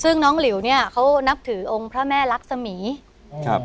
ซึ่งน้องหลิวเนี้ยเขานับถือองค์พระแม่รักษมีครับ